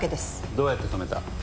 どうやって止めた？